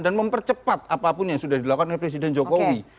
dan mempercepat apapun yang sudah dilakukan oleh presiden jokowi